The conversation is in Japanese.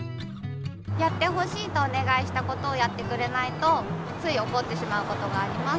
やってほしいとおねがいしたことをやってくれないとついおこってしまうことがあります。